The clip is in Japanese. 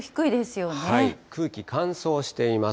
空気乾燥しています。